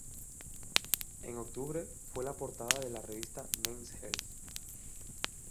En octubre fue la portada de la revista "Men´s Health".